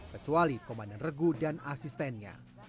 kecuali komandan regu dan asistennya